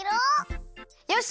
よし！